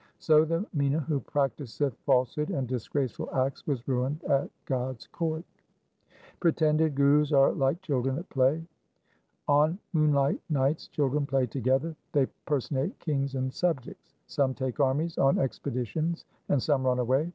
So the Mina who practiseth falsehood and disgraceful acts, was ruined at God's court. 4 Pretended gurus are like children at play :— On moonlight nights children play together. 5 They personate kings and subjects. Some take armies on ex peditions, and some run away.